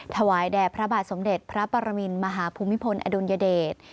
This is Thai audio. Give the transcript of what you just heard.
ถวายแด่พระบาทสมเด็จพระปรมินมหาภูมิพลอดุลยเดช